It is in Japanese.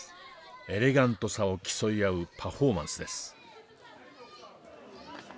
エレガントさを競い合うパフォーマンスです。